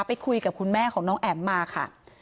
ไปคุยกับคุณแม่ของน้องแอ๋มมาค่ะ